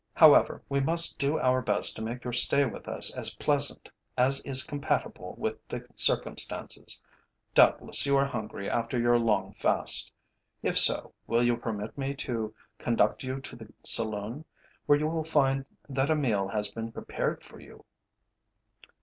However, we must do our best to make your stay with us as pleasant as is compatible with the circumstances. Doubtless you are hungry after your long fast. If so, will you permit me to conduct you to the saloon, where you will find that a meal has been prepared for you."